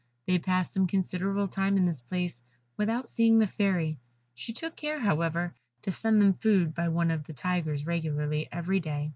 They passed some considerable time in this place without seeing the Fairy, she took care, however, to send them food by one of the Tigers regularly every day.